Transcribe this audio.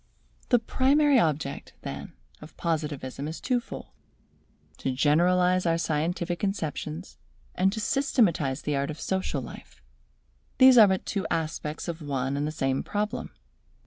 The primary object, then, of Positivism is two fold: to generalize our scientific conceptions, and to systematize the art of social life. These are but two aspects of one and the same problem.